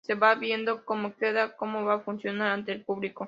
Se va viendo cómo queda, cómo va a funcionar ante el público.